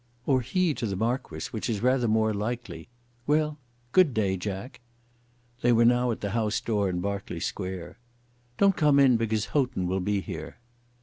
"Or he to the Marquis, which is rather more likely. Well, good day, Jack." They were now at the house door in Berkeley Square. "Don't come in, because Houghton will be here."